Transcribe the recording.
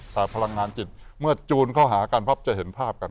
แต่พลังงานจิตเมื่อจูนเข้าหากันปั๊บจะเห็นภาพกัน